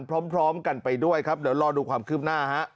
พร้อมกันไปด้วยครับเดี๋ยวรอดูความคืบหน้าฮะ